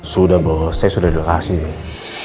sudah bos saya sudah di lokasi deh